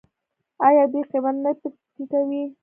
آیا دوی قیمت نه ټیټوي؟